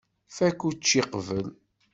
Fakk učči qbel.